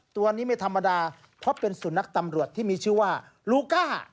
ตัวนี้ไม่ธรรมดาเพราะเป็นสุนัขตำรวจที่มีชื่อว่าลูก้า